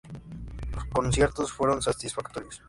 Los conciertos fueron satisfactorios.